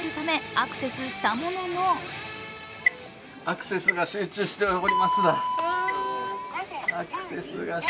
アクセスしたもののアクセスが集中しております、だ。